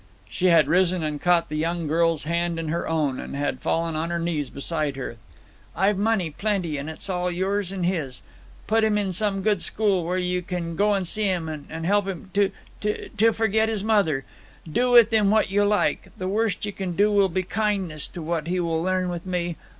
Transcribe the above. She had risen and caught the young girl's hand in her own, and had fallen on her knees beside her. "I've money plenty, and it's all yours and his. Put him in some good school, where you can go and see him, and help him to to to forget his mother. Do with him what you like. The worst you can do will be kindness to what he will learn with me.